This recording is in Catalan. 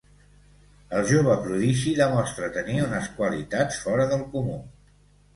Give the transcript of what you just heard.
El jove prodigi demostra tenir unes qualitats fora del comú.